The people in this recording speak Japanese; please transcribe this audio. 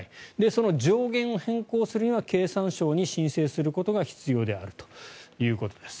その上限を変更するには経産省に申請する必要があるということです。